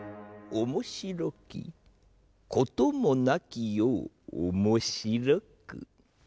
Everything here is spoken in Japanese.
おもしろきこともなき世をおもしろく。